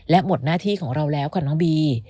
และหมดหน้าที่ของเราแล้วค่ะน้องบี